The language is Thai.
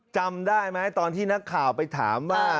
จำได้ไหมตอนที่นักข่าวไปถามว่า